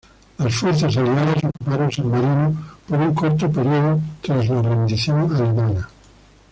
Las fuerzas aliadas ocuparon San Marino por un corto período tras la rendición alemana.